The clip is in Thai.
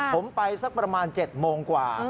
ผมไปสักประมาณ๗โมงกว่า